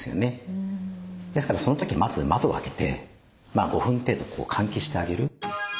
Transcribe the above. ですからその時まず窓を開けて５分程度換気してあげる。